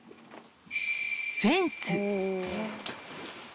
フェンス。